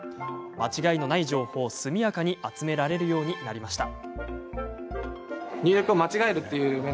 間違いのない情報を速やかに集められるようになりました。